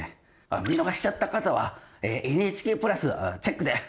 あっ見逃しちゃった方はＮＨＫプラスチェックで！